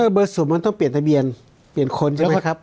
เบอร์สุดมันต้องเปลี่ยนทะเบียนเปลี่ยนคนใช่ไหมครับ